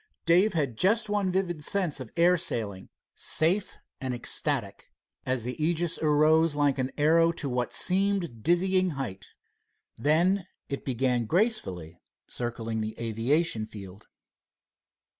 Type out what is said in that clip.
Dave had just one vivid sense of air sailing, safe and ecstatic, as the Aegis arose like an arrow to what seemed dizzying height. Then it began gracefully circling the aviation field.